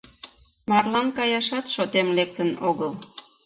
Марлан каяшат шотем лектын огыл.